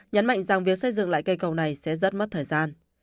nhấn mạnh rằng việc xây dựng lại cây cầu này sẽ rất mất thời gian